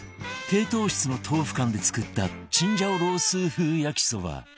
低糖質の豆腐干で作ったチンジャオロースー風焼きそば